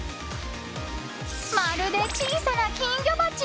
まるで小さな金魚鉢。